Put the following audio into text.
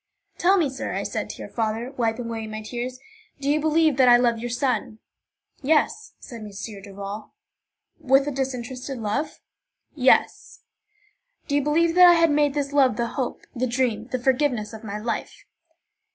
"Tell me, sir," I said to your father, wiping away my tears, "do you believe that I love your son?" "Yes," said M. Duval. "With a disinterested love?" "Yes." "Do you believe that I had made this love the hope, the dream, the forgiveness of my life?"